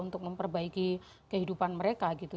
untuk memperbaiki kehidupan mereka gitu